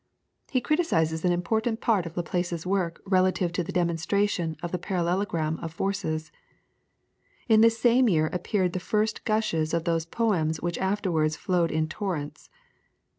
He criticises an important part of Laplace's work relative to the demonstration of the parallelogram of forces. In this same year appeared the first gushes of those poems which afterwards flowed in torrents.